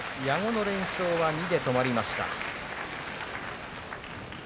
矢後の連勝は２で止まりました。